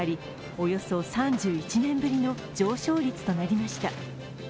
およそ３１年ぶりの上昇率となりました。